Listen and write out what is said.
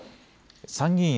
参議院